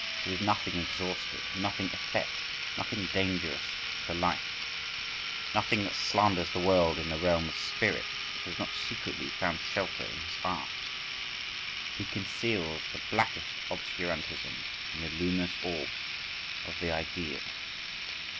There is nothing exhausted, nothing effete, nothing dangerous to life, nothing that slanders the world in the realm of spirit, which has not secretly found shelter in his art, he conceals the blackest obscurantism in the luminous orbs of the ideal.